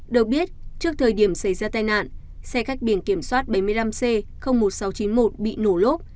được biết trước thời điểm xảy ra tai nạn xe khách biển kiểm soát bảy mươi năm c một nghìn sáu trăm chín mươi một bị nổ lốp